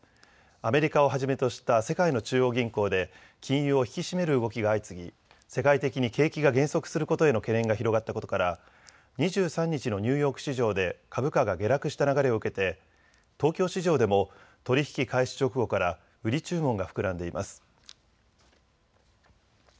アメリカをはじめとした世界の中央銀行で金融を引き締める動きが相次ぎ世界的に景気が減速することへの懸念が広がったことから２３日のニューヨーク市場で株価が下落した流れを受けて東京市場でも取り引き開始直後から売り注文が膨らんでいます。